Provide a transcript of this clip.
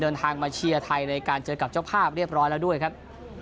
เดินทางมาเชียร์ไทยในการเจอกับเจ้าภาพเรียบร้อยแล้วด้วยครับ